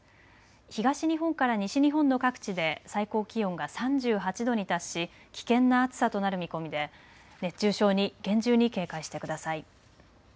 東日本から西日本の各地で最高気温が３８度に達し危険な暑さとなる見込みで熱中症に厳重に警戒してください。